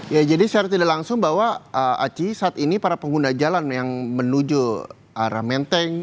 ya jadi secara tidak langsung bahwa aci saat ini para pengguna jalan yang menuju arah menteng